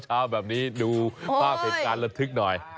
เช้าแบบนี้ดูภาพเหตุการณ์ระทึกหน่อย